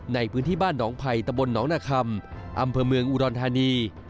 ในพื้นที่บ้านหนองไผ่ตะบลหนองนาคำอำเภอเมืองอุดรธานี